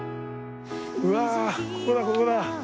うわここだここだ。